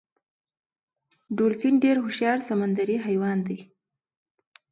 ډولفین ډیر هوښیار سمندری حیوان دی